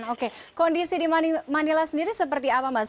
oke kondisi di manila sendiri seperti apa mas